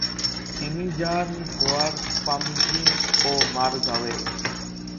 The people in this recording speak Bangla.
তিনি যান গোয়ার পাঞ্জিম ও মারগাঁওয়ে।